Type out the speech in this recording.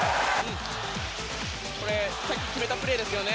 さっき決めたプレーですよね